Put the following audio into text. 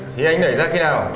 thì anh nảy ra khi nào